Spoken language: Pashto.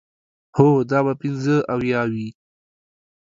هو، دا به پنځه اویا وي.